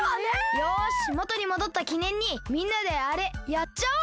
よしもとにもどったきねんにみんなであれやっちゃおう！